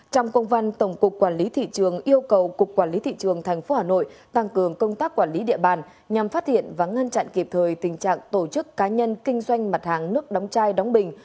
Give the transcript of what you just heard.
trong công văn tổng cục quản lý thị trường yêu cầu cục quản lý thị trường tp hà nội tăng cường công tác quản lý địa bàn nhằm phát hiện và ngăn chặn kịp thời tình trạng tổ chức cá nhân kinh doanh mặt hàng nước đóng chai đóng bình